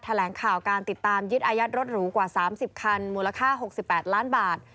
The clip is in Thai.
แถลงข่าวการติดตามยึดอายัดรถหรูกว่า๓๐คันมูลค่า๖๘ล้านบาท